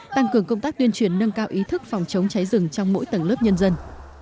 tăng cường công tác tuyên truyền nâng cao ý thức phòng chống cháy rừng trong mỗi tầng lớp nhân dân